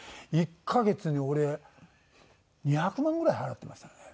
１カ月に俺２００万ぐらい払ってましたね。